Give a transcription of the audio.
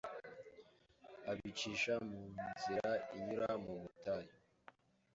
ibacisha mu nzira inyura mu butayu